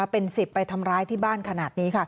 เป็น๑๐ไปทำร้ายที่บ้านขนาดนี้